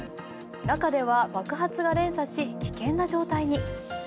中では爆発が連鎖し危険な状態に。